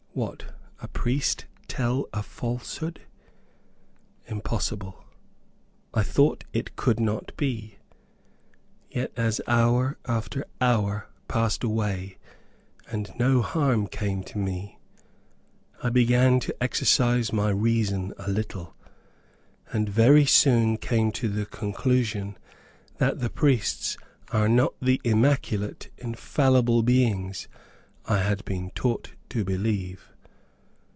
What! A priest tell a falsehood? Impossible. I thought it could not be; yet as hour after hour passed away, and no harm came to me, I began to exercise my reason a little, and very soon came to the conclusion that the priests are not the immaculate, infallible beings I had been taught to believe.